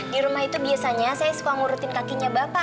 di rumah itu biasanya saya suka ngurutin kakinya bapak